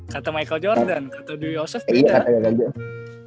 kata michael jordan kata dewi yosef tidak